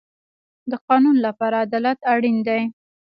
د قانون لپاره عدالت اړین دی